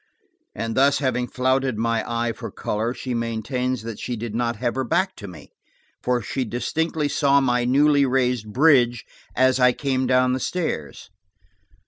And having thus flouted my eye for color, she maintains that she did not have her back to me, for she distinctly saw my newly raised bridge as I came down the stairs.